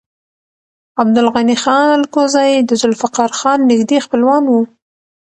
عبدالغني خان الکوزی د ذوالفقار خان نږدې خپلوان و.